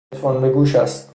هدفون به گوش است